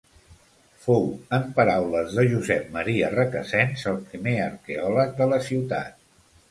Fou, en paraules de Josep Maria Recasens, el primer arqueòleg de la ciutat.